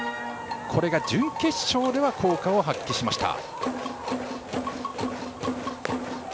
これが準決勝では効果を発揮しました。